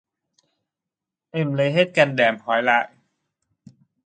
Em lấy hết can đảm hỏi lại